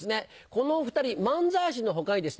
このお２人漫才師の他にですね